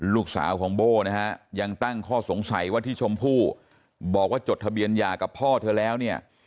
ลูกสาวของโบ้นะฮะยังตั้งข้อสงสัยว่าที่ชมพู่บอกว่าจดทะเบียนหย่ากับพ่อเธอแล้วเนี่ย